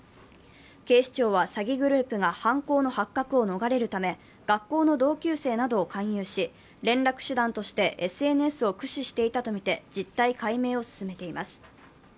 警視庁は詐欺グループが犯行の発覚を逃れるため学校の同級生などを勧誘し、連絡手段としてＳＮＳを駆使していたとみて実態解明を進めています。